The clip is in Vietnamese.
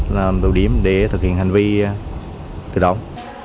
làm đủ điểm để thực hiện hành vi tự động